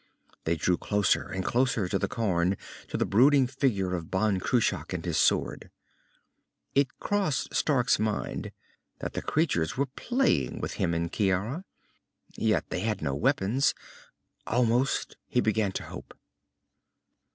They drew closer and closer to the cairn, to the brooding figure of Ban Cruach and his sword. It crossed Stark's mind that the creatures were playing with him and Ciara. Yet they had no weapons. Almost, he began to hope....